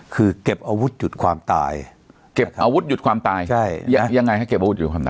คือเก็บอาวุธหยุดความตายเก็บอาวุธหยุดความตายใช่ยังไงให้เก็บอาวุธหยุดความตาย